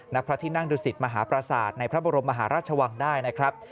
ณพระที่นั่งดุสิตมหาประสาทในพระบรมมหาราชวังได้นะครับ